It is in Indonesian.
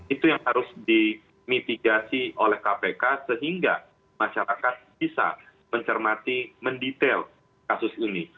itu yang harus dimitigasi oleh kpk sehingga masyarakat bisa mencermati mendetail kasus ini